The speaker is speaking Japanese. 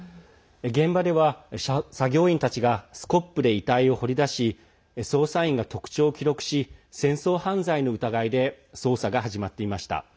現場では作業員たちがスコップで遺体を掘り出し捜査員が特徴を記録し戦争犯罪の疑いで捜査が始まっていました。